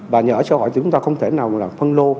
và nhà ở xã hội chúng ta không thể nào phân lô